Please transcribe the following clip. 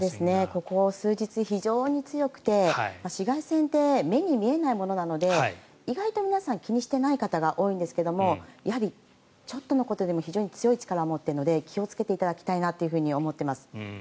ここ数日、非常に強くて紫外線って目に見えないものなので意外と皆さん気にしてない方が多いんですがやはりちょっとのことでも非常に強い力を持っているので気をつけていただきたいなと思っています。